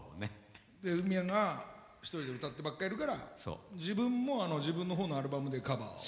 でフミヤが一人で歌ってばっかいるから自分も自分の方のアルバムでカバーを。